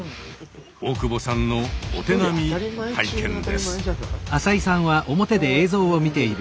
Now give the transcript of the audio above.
大久保さんのお手並み拝見です。